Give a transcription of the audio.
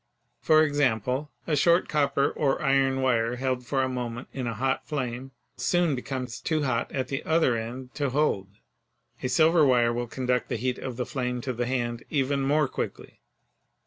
For example, a short copper or iron wire held for a mo ment in a hot flame soon becomes too hot at the other end to hold. A silver wire will conduct the heat of the flame to the hand even more quickly.